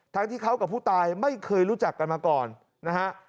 ที่เขากับผู้ตายไม่เคยรู้จักกันมาก่อนนะฮะ